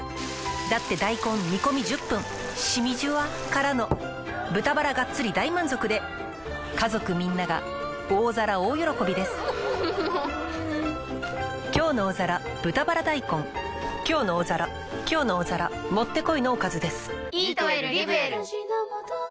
だって大根煮込み１０分しみじゅわからの豚バラがっつり大満足で家族みんなが大皿大喜びです「きょうの大皿」「きょうの大皿」もってこいのおかずです。